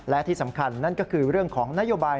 และที่สำคัญนั่นก็คือเรื่องของนโยบาย